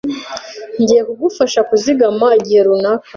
Ngiye kugufasha kuzigama igihe runaka.